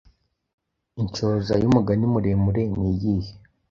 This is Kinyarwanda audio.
Inshoza y’umugani muremure niyihe